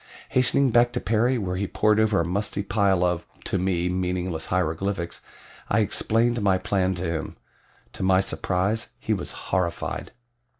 Hastening back to Perry where he pored over a musty pile of, to me, meaningless hieroglyphics, I explained my plan to him. To my surprise he was horrified.